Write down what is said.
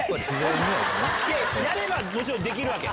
やればもちろんできるわけ？